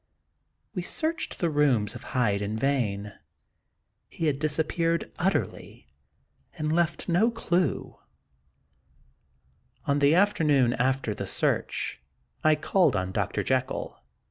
We searched the rooms of Hyde in vain; he had disappeared utterly, and left no clew. On the afternoon after the search, I called on Dr. Jekyll.